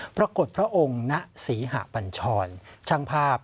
ปรากฏพระองค์นาศรีหะปัญชอนช่างภาพ